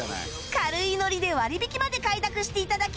軽いノリで割引きまで快諾して頂き